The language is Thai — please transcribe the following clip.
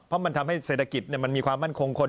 เพราะมันทำให้เศรษฐกิจมันมีความมั่นคงคน